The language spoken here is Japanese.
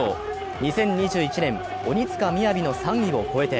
２０２１年、鬼塚雅の３位を超えて